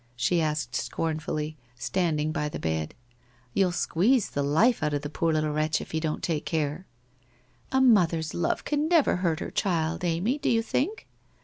' she asked scornfully, stand ing by the bed. 'You'll squeeze the life out of the poor little wretch if you don't take care/ ' A mother's love can never hurt her child, Amy, do you think?'